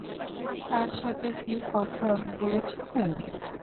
তার সাথে কী কথা বলেছিলে?